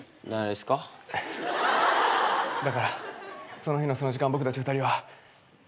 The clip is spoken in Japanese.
その日のその時間僕たち２人は。